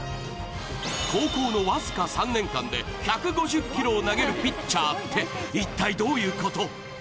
高校の僅か３年間で、１５０キロを投げるピッチャーって一体どういうこと？